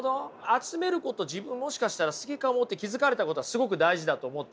集めること自分もしかしたら好きかもって気付かれたことはすごく大事だと思ってて。